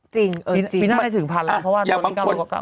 ปีหน้าได้ถึงพันแล้วเพราะว่าตัวนี้เก่า